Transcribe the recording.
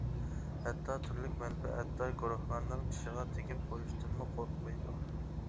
ھەتتا تۈرلۈك مەنپەئەتدار گۇرۇھلارنىڭ چىشىغا تېگىپ قويۇشتىنمۇ قورقمايدۇ.